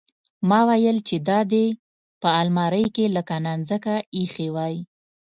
ما ويل چې دا دې په المارۍ کښې لکه نانځکه ايښې واى.